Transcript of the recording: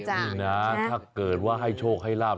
นี่นะถ้าเกิดว่าให้โชคให้ลาบ